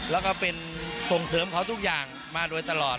แล้วก็เป็นส่งเสริมเขาทุกอย่างมาโดยตลอด